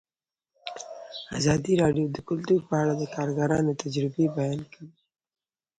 ازادي راډیو د کلتور په اړه د کارګرانو تجربې بیان کړي.